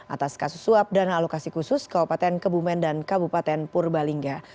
atas kasus suap dana alokasi khusus kabupaten kebumen dan kabupaten purbalingga